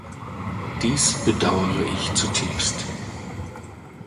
Dies bedaure ich zutiefst.